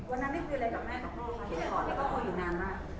วันนั้นเมื่อกี้มีอะไรกับแม่ของโรคเพราะที่เราก็พูดอยู่นานมาก